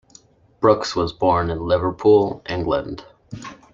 Brooks was born in Liverpool, England.